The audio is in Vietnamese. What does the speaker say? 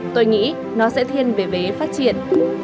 tôi nghĩ nó sẽ thiên về vế phát triển